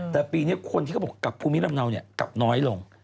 แต่ปีนี้คนที่กับภูมิลำเนาเนี่ยล่วงกลับน้อยลง